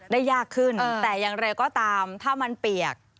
ยากขึ้นแต่อย่างไรก็ตามถ้ามันเปียก